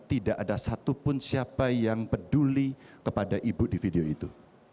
tidak ada satupun siapa yang peduli kepada ibu di video itu